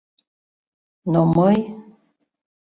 Но мый...